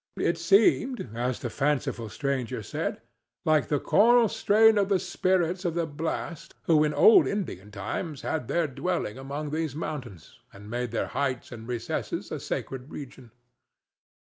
It seemed, as the fanciful stranger said, like the choral strain of the spirits of the blast who in old Indian times had their dwelling among these mountains and made their heights and recesses a sacred region.